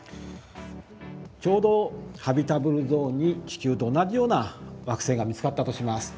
ちょうどハビタブルゾーンに地球と同じような惑星が見つかったとします。